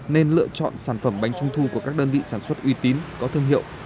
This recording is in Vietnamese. nên lựa chọn sản phẩm bánh trung thu của các đơn vị sản xuất uy tín có thương hiệu